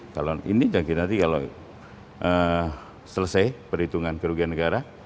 kalau ini nanti kalau selesai perhitungan kerugian negara